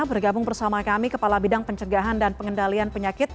bergabung bersama kami kepala bidang pencegahan dan pengendalian penyakit